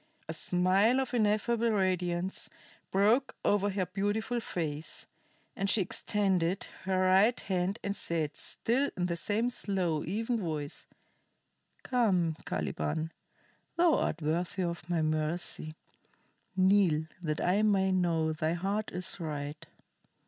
A smile of ineffable radiance broke over her beautiful face, and she extended her right hand and said, still in the same slow, even voice: "Come, Caliban. Thou art worthy of my mercy. Kneel, that I may know thy heart is right."